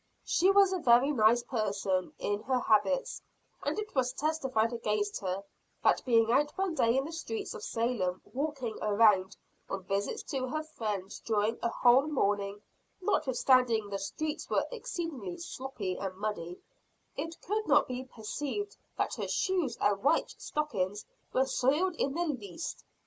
She was a very nice person in her habits, and it was testified against her, that being out one day in the streets of Salem walking around on visits to her friends during a whole morning, notwithstanding the streets were exceedingly sloppy and muddy, it could not be perceived that her shoes and white stockings were soiled in the least.